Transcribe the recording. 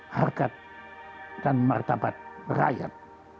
harga dan martabat rakyat